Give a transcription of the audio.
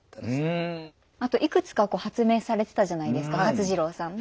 あといくつかこう発明されてたじゃないですか勝次郎さん。